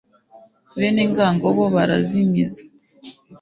bene ngango bo barazimiza